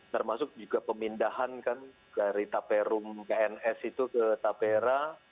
termasuk juga pemindahan kan dari taperum pns itu ke tapera